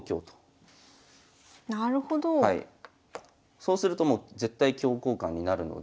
そうするともう絶対香交換になるので。